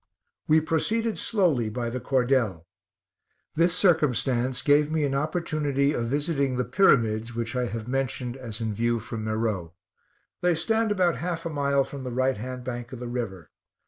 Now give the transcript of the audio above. We proceeded slowly by the cordel. This circumstance gave me an opportunity of visiting the Pyramids which I have mentioned as in view from Meroe. They stand about half a mile from the right hand bank of the river.